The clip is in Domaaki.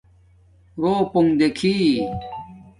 روپونک دیکھی